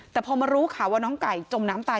แต่พอมารู้ข่าวว่าน้องไก่จมน้ำตาย